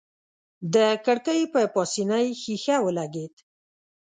د کړکۍ په پاسنۍ ښيښه ولګېد.